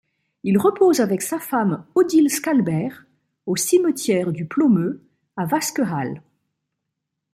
Il repose avec sa femme Odile Scalbert au cimetière du Plomeux à Wasquehal.